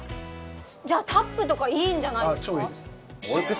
じゃあ、タップとかいいんじゃないですか？